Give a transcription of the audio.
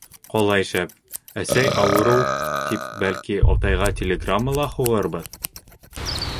Ҡалай шәп, әсәй ауырыу, тип, бәлки, атайға телеграмма ла һуғырбыҙ?